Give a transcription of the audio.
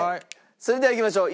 それではいきましょう。